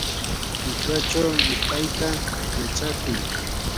qichwachaw yupayta yachakuy.